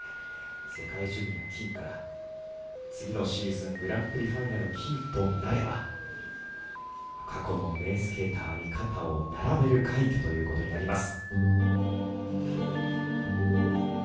世界ジュニア金から次のシーズングランプリファイナル金となれば過去の名スケーターに肩を並べる快挙ということになります。